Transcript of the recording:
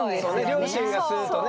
両親が吸うとね。